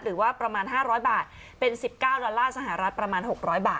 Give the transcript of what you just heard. หรือว่าประมาณ๕๐๐บาทเป็น๑๙ดอลลาร์สหรัฐประมาณ๖๐๐บาท